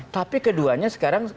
tapi keduanya sekarang